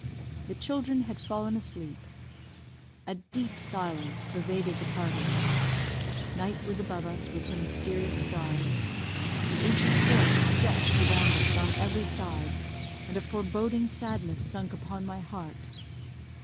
The children had fallen asleep. A deep silence pervaded the party. Night was above us with her mysterious stars. The ancient forest stretched around us on every side, and a foreboding sadness sunk upon my heart.